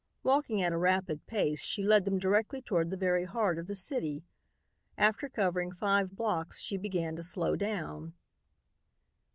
Walking at a rapid pace, she led them directly toward the very heart of the city. After covering five blocks, she began to slow down.